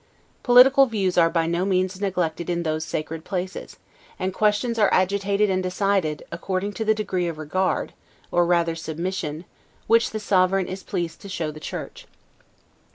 Political views are by no means neglected in those sacred places; and questions are agitated and decided, according to the degree of regard, or rather submission, which the Sovereign is pleased to show the Church.